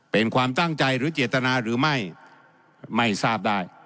เป็นความตั้งใจหรือเจตนาหรือไม่ไม่ทราบได้